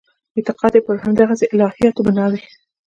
اعتقاد یې پر همدغسې الهیاتو بنا وي.